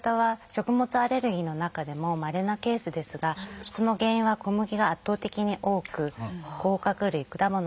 食物アレルギーの中でもまれなケースですがその原因は小麦が圧倒的に多く甲殻類果物などがそれに続きます。